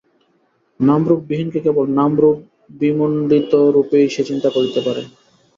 নামরূপ-বিহীনকে কেবল নামরূপ-বিমণ্ডিতরূপেই সে চিন্তা করিতে পারে।